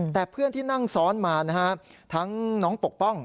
แต่เพื่อนที่นั่งซ้อนมานะฮะทั้งน้องปกป้อง